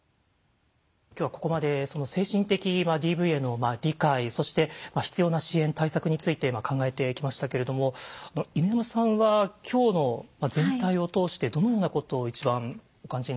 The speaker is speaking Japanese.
今日はここまで精神的ＤＶへの理解そして必要な支援対策について考えてきましたけれども犬山さんは今日の全体を通してどのようなことを一番お感じになってますか？